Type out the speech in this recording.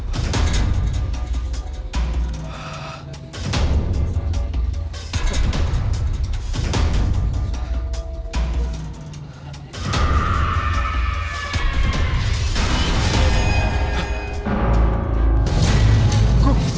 ini cuma lampunya